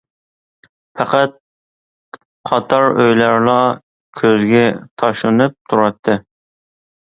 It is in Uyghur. پەقەت قاتار ئۆيلەرلا كۆزگە تاشلىنىپ تۇراتتى.